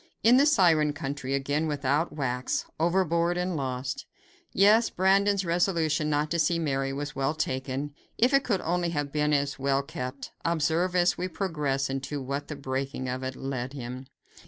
In the Siren country again without wax! Overboard and lost! Yes, Brandon's resolution not to see Mary was well taken, if it could only have been as well kept. Observe, as we progress, into what the breaking of it led him.